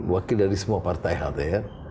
wakil dari semua partai hal itu